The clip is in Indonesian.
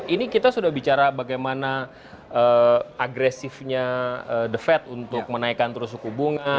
ini kita sudah bicara bagaimana agresifnya the fed untuk menaikkan terus suku bunga